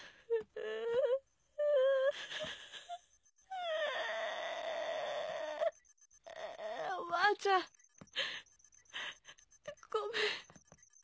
おばあちゃんごめん。